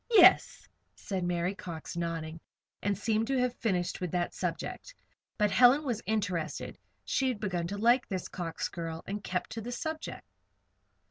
"Yes," said Mary Cox, nodding, and seemed to have finished with that subject. But Helen was interested; she had begun to like this Cox girl, and kept to the subject.